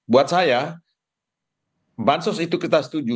buat saya bansos itu kita setuju